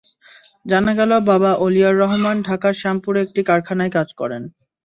জানা গেল, বাবা অলিয়ার রহমান ঢাকার শ্যামপুরে একটি কারখানায় কাজ করেন।